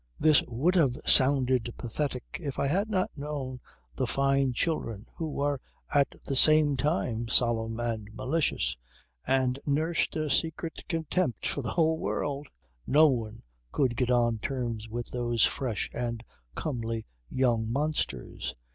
This would have sounded pathetic if I hadn't known the Fyne children who were at the same time solemn and malicious, and nursed a secret contempt for all the world. No one could get on terms with those fresh and comely young monsters!